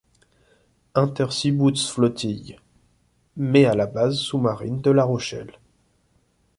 Unterseebootsflottille, mais à la base sous-marine de La Rochelle.